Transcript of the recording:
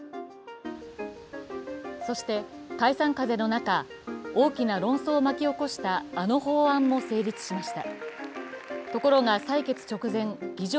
そして解散風の中、大きな論争を巻き起こしたあの法案も成立しました。